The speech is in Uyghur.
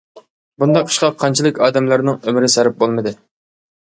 بۇنداق ئىشقا قانچىلىك ئادەملەرنىڭ ئۆمرى سەرپ بولمىدى؟ !